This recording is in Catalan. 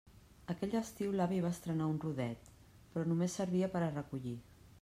Aquell estiu l'avi va estrenar un rodet, però només servia per a recollir.